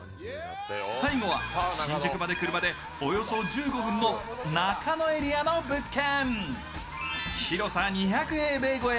最後は、新宿まで車でおよそ１５分の中野エリアの物件。